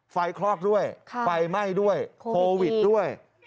คลอกด้วยไฟไหม้ด้วยโควิดด้วย